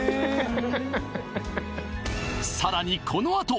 さらにこのあと！